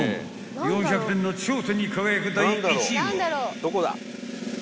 ［４００点の頂点に輝く第１位は］